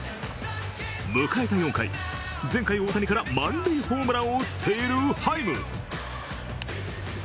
迎えた４回、前回、大谷から満塁ホームランを打っているハイム。